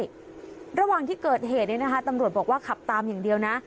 ระหว่างที่เกิดเหตุเนี่ยนะคะตำรวจบอกว่าขับตามอย่างเดียวนะ